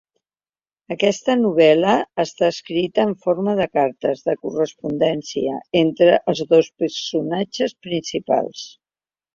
Aquesta novel·la està escrita en forma de cartes, de correspondència, entre els dos personatges principals.